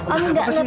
udah gapapa om